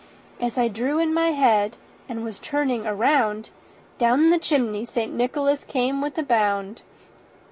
As I drew in my head, and was turning around, Down the chimney St. Nicholas came with a bound.